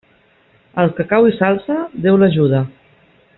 Al que cau i s'alça, Déu l'ajuda.